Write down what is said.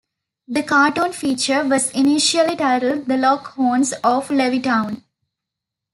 The cartoon feature was initially titled The Lockhorns of Levittown.